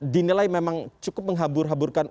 dinilai memang cukup menghabur haburkan